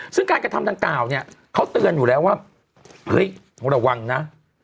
ซึ่งการกระทำดังกล่าวเนี่ยเขาเตือนอยู่แล้วว่าเฮ้ยระวังนะ